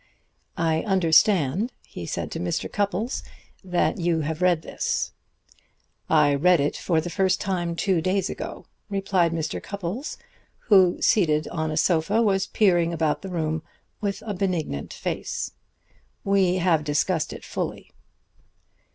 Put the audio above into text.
"I understand," he said to Mr. Cupples, "that you have read this." "I read it for the first time two days ago," replied Mr. Cupples, who, seated on a sofa, was peering about the room with a benignant face. "We have discussed it fully."